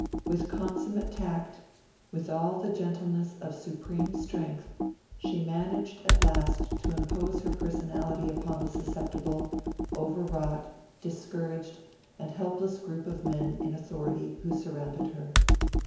With consummate tact, with all the gentleness of supreme strength, she managed at last to impose her personality upon the susceptible, overwrought, discouraged, and helpless group of men in authority who surrounded her.